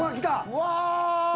うわ！